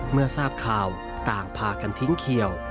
เมื่อทราบข่าวต่างพากันทิ้งเขียว